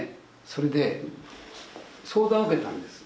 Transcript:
それで相談受けたんです。